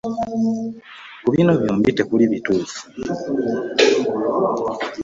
Ku bino byombi tekuli kituufu.